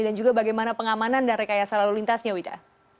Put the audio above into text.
dan juga bagaimana pengamanan dan rekayasa lalu lintasnya wida